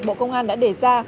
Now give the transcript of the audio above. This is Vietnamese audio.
bộ công an đã đề ra